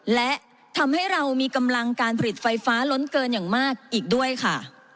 และทำให้เรามีกำลังการผลิตไฟฟ้าล้นเกินอย่างมากอีกด้วยค่ะ